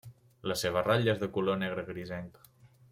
La seva ratlla és de color negre grisenc.